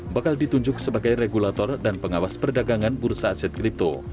bakal ditunjuk sebagai regulator dan pengawas perdagangan bursa aset kripto